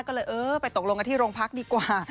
ก็เลยเออไปตกลงกันที่โรงพักดีกว่า